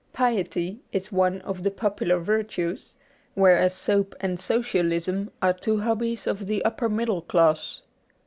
Piety is one of the popular virtues, whereas soap and Socialism are two hobbies of the upper middle class.